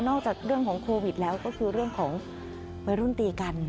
จากเรื่องของโควิดแล้วก็คือเรื่องของวัยรุ่นตีกัน